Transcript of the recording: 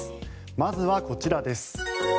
まずはこちらです。